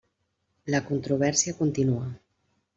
La controvèrsia continua.